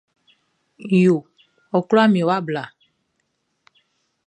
Nʼyo wɔ kula mi wa bla.